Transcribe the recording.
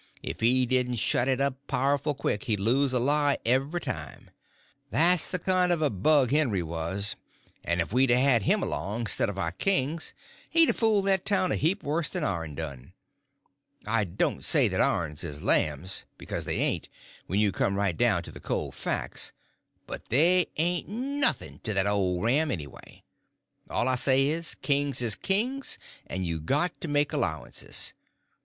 If he didn't shut it up powerful quick he'd lose a lie every time. That's the kind of a bug Henry was; and if we'd a had him along 'stead of our kings he'd a fooled that town a heap worse than ourn done. I don't say that ourn is lambs, because they ain't, when you come right down to the cold facts; but they ain't nothing to that old ram, anyway. All I say is, kings is kings, and you got to make allowances.